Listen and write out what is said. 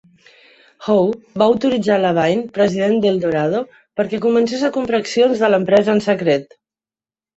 Howe va autoritzar LaBine, president d'Eldorado, perquè comencés a comprar accions de l'empresa en secret.